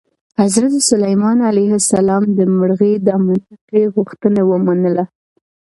حضرت سلیمان علیه السلام د مرغۍ دا منطقي غوښتنه ومنله.